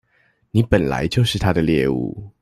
你本來就是他的獵物